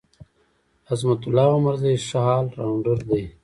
عظمت الله عمرزی ښه ال راونډر دی.